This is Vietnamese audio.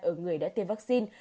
ở người đã tiêm vaccine